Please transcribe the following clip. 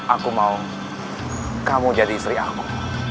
aku mau kamu jadi istri aku